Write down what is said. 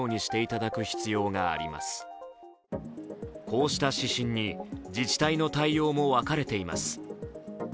こうした指針に自治体の対応も分かれています。